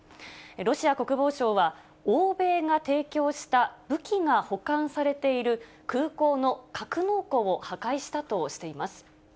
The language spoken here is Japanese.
ロシア国防省は、欧米が提供した武器が保管されている空港の格納庫を破壊したとしています。